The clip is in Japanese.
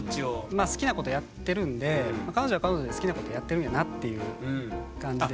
まあ好きなことやってるんで彼女は彼女で好きなことやってるんやなっていう感じで。